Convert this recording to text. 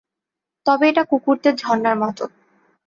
তবে এটা কুকুরদের ঝরণার মতো।